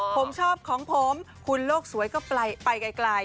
ผมชอบของผมคุณโลกสวยก็ไปไกล